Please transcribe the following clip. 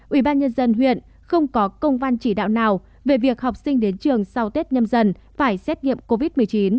ubnd huyện không có công văn chỉ đạo nào về việc học sinh đến trường sau tết nhâm dần phải xét nghiệm covid một mươi chín